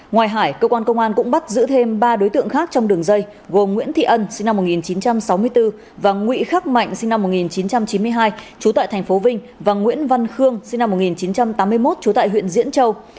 ngoài hải cơ quan công an cũng bắt giữ thêm ba đối tượng khác trong đường dây gồm nguyễn thị ân sinh năm một nghìn chín trăm sáu mươi bốn và nguyễn khắc mạnh sinh năm một nghìn chín trăm chín mươi hai trú tại tp vinh và nguyễn văn khương sinh năm một nghìn chín trăm tám mươi một trú tại huyện diễn châu